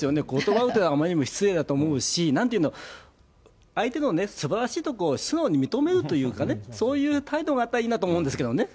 断るというのはあまりにも失礼だと思うし、なんていうの、相手のすばらしいところを素直に認めるというかね、そういう態度があったらいいなと思うんですけどね。